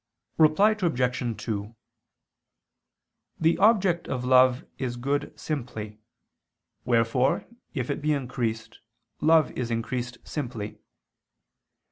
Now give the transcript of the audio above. Reply Obj. 2: The object of love is good simply, wherefore if it be increased, love is increased simply.